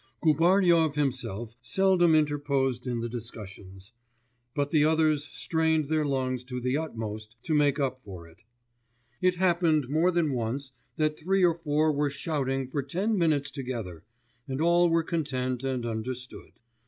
Gubaryov himself seldom interposed in the discussions; but the others strained their lungs to the utmost to make up for it. It happened more than once that three or four were shouting for ten minutes together, and all were content and understood.